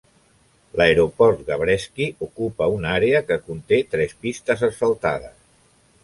L'aeroport Gabreski ocupa una àrea que conté tres pistes asfaltades.